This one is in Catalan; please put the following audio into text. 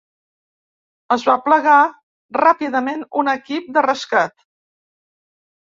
Es va aplegar ràpidament un equip de rescat.